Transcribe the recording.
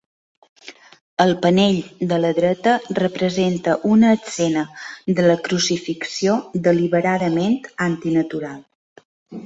El panell de la dreta representa una escena de la crucifixió deliberadament antinatural.